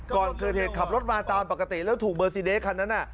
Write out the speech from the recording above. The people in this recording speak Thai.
ก่อนเกิดเหตุขับรถมาตามปกติแล้วถูกเบอร์ซีเดสคันนั้น